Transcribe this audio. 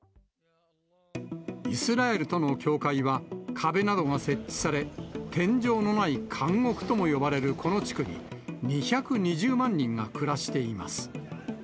イスラエルとの境界は壁などが設置され、天井のない監獄とも呼ばれるこの地区に、２２０万人が暮らしています。